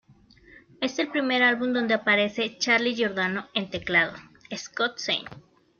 Es el primer álbum donde aparece Charlie Giordano en teclados, Scott St.